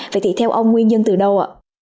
vậy thì theo ông nguyên nhân từ đâu